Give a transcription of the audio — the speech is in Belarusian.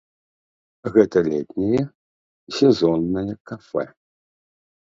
Гэта летняе сезоннае кафэ.